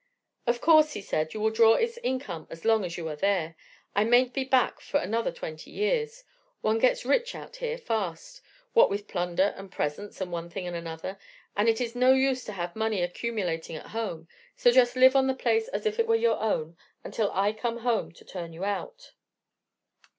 "Of course," he said, "you will draw its income as long as you are there. I mayn't be back for another twenty years; one gets rich out here fast, what with plunder and presents and one thing and another, and it is no use to have money accumulating at home, so just live on the place as if it were your own, until I come home to turn you out."